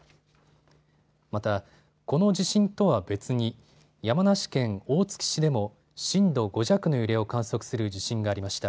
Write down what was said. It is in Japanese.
また、この地震とは別に山梨県大月市でも震度５弱の揺れを観測する地震がありました。